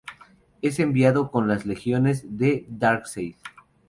Es enviado con las legiones de Darkseid.